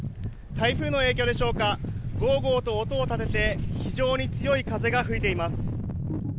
台風の影響でしょうか、ごうごうと音をたてて非常に強い風が吹いています。